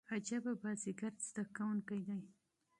عجبه بازيګر شاګرد دئ.